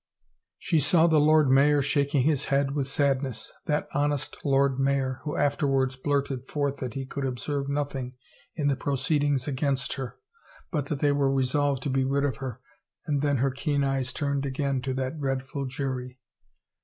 She saw the Lord Mayor shaking his head with sad ness — that honest Lord Mayor who afterwards blurted 360 THE TRIAL forth that he could observe nothing in the proceedings against her, but that they were resolved to be rid of her, and then her keen eyes turned again to that dreadful jury.